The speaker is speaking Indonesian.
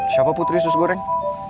siapa putri usus goreng